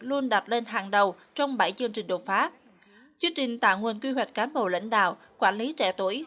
luôn đặt lên hàng đầu trong bảy chương trình đột phá chương trình tạo nguồn quy hoạch cán bộ lãnh đạo quản lý trẻ tuổi